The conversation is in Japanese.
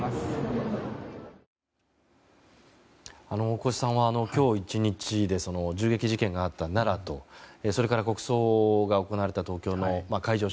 大越さんは今日一日で銃撃事件があった奈良とそれから国葬が行われた東京の会場